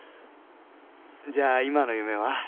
じゃあ今の夢は？